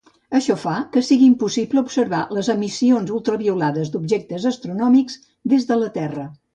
Això fa que sigui impossible observar les emissions ultraviolades d'objectes astronòmics des de la Terra.